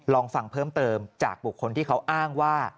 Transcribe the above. ลองฟังเพิ่มเติมจากบุคคลที่เขาอ้างว่า